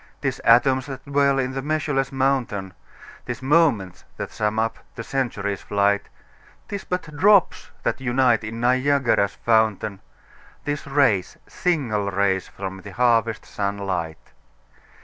'Tis atoms that dwell in the measureless mountain, 'Tis moments that sum up the century's flight; 'Tis but drops that unite in Niagara's fountain, 'Tis rays, single rays, from the harvest sun light.